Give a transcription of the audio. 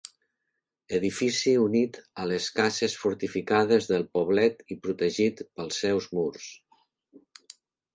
Edifici unit a les cases fortificades del poblet i protegit pels seus murs.